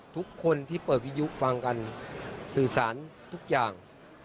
ทุกคนที่เปิดวิยุฟังกันสื่อสารทุกอย่าง